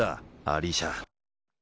アリーシャ。